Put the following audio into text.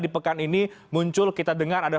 di pekan ini muncul kita dengar ada